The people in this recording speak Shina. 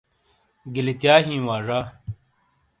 گیلتیا ہیئی وا زا۔